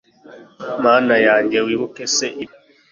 Mana yanjye wibuke c ibyo